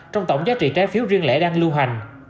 trong tổng giá trị trái phiếu riêng lẻ đang lưu hành